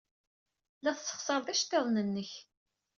La tessexṣared iceḍḍiḍen-nnek.